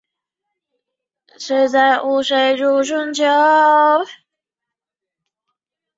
天主教米杜士堡教区是英国英格兰一个罗马天主教教区。